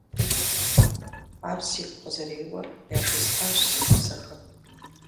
Ар сигу къызэреуэр яжесӀащ си гъусэхэм.